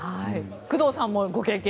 工藤さんもご経験